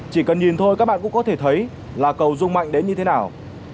chỉ cần nhìn thôi các bạn cũng có thể thấy là cầu dung mạnh đến như thế nào